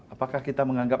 apakah kita menganggap